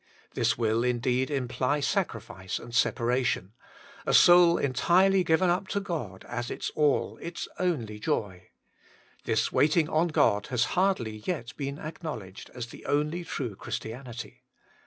This will indeed imply sacrifice and separation, a soul entirely given up to God as its all, its only joy. This waiting on God has hardly yet been acknowledged as the only true Christianity.